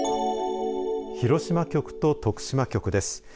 広島局と徳島局です。